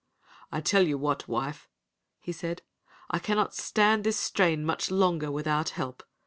"I tell you what, wife," he said, "I cannot stand this strain much longer without help!